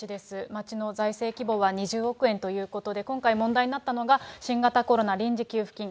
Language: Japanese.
町の財政規模は２０億円ということで、今回問題になったのが、新型コロナ臨時給付金。